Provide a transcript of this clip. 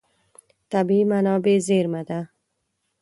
طبیعي منابع زېرمه ده.